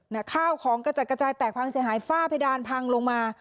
ข้าวของกระจัดกระจายแตกพังเสียหายฝ้าเพดานพังลงมา